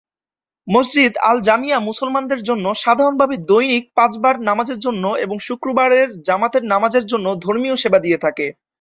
মসজিদ আল জামিয়া মুসলমানদের জন্য সাধারণভাবে দৈনিক পাঁচবার নামাজের জন্য এবং শুক্রবারের জামাতের নামাজের জন্য ধর্মীয় সেবা দিয়ে থাকে।